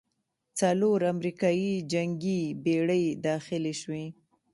څلور امریکايي جنګي بېړۍ داخلې شوې.